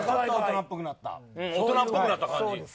大人っぽくなった感じ。